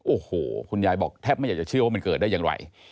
โอ้โหคุณยายบอกแทบไม่อยากจะเชื่อว่ามันเกิดได้อย่างไร